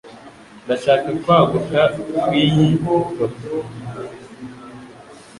Ndashaka kwaguka kw'iyi foto.